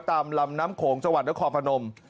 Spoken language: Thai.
ตามลำน้ำโขงจังหวัดและขอบพนม